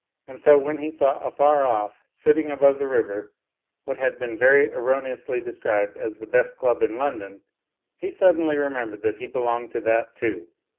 And so when he saw afar off, sitting above the river, what has been very erroneously described as the best club in London, he suddenly remembered that he be longed to that too.